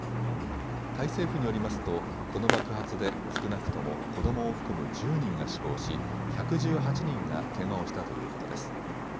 タイ政府によりますとこの爆発で少なくとも子どもを含む１０人が死亡し１１８人がけがをしたということです。